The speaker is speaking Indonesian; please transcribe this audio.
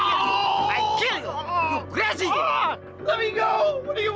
biarkan aku pergi apa yang kamu mau dari aku